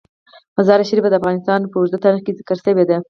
مزارشریف د افغانستان په اوږده تاریخ کې ذکر شوی دی.